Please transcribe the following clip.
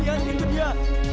lihat itu dia